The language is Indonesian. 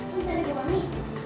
bentar lagi mami